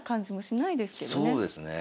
そうですね。